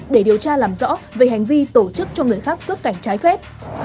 để điều tra làm rõ về hành vi tổ chức cho người khác xuất cảnh trái phép